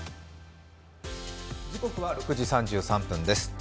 時刻は６時３３分です。